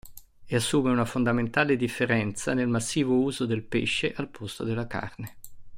E assume una fondamentale differenza nel massivo uso del pesce al posto della carne.